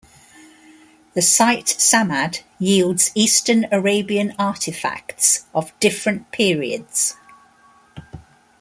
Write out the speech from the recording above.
The site Samad yields eastern Arabian artefacts of different periods.